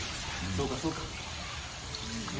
そうか、そうか。